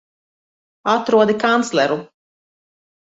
Atrodi kancleru!